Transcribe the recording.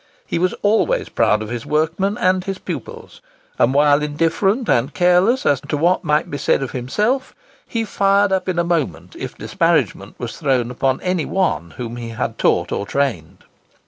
He was always proud of his workmen and his pupils; and, while indifferent and careless as to what might be said of himself, he fired up in a moment if disparagement were thrown upon any one whom he had taught or trained."